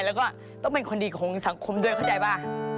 แล้วก็ต้องเป็นคนดีของสังคมด้วยเข้าใจป่ะ